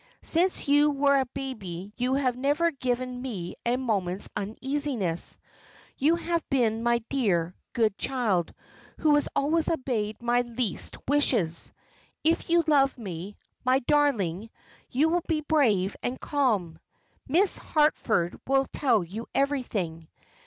Since you were a baby you have never given me a moment's uneasiness you have been my dear, good child, who has always obeyed my least wishes. If you love me, my darling, you will be brave and calm. Miss Harford will tell you everything.